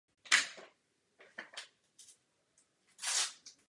Kaple je památkově chráněná budova.